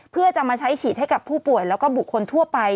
เพื่อจะมาใช้ฉีดให้กับผู้ป่วยแล้วก็บุคคลทั่วไป